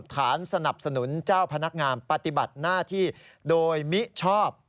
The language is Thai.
ฐานสนับสนุนเจ้าพนักงานปฏิบัติหน้าที่โดยมิชอบ